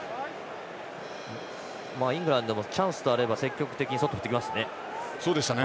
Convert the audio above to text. イングランドもチャンスとあれば積極的にとってきますね。